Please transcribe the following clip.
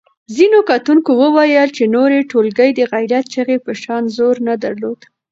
ځینو کتونکو وویل چې نورې ټولګې د غیرت چغې په شان زور نه درلود.